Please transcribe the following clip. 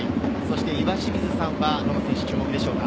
岩清水さんはどの選手注目でしょうか？